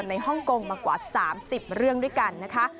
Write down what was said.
ฮ่องกงมากว่า๓๐เรื่องด้วยกันนะคะ